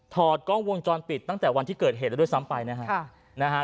ถอดกล้องวงจรปิดตั้งแต่วันที่เกิดเหตุแล้วด้วยซ้ำไปนะฮะ